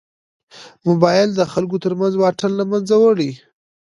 موبایل د خلکو تر منځ واټن له منځه وړي.